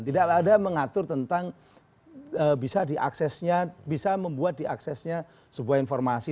tidak ada mengatur tentang bisa diaksesnya bisa membuat diaksesnya sebuah informasi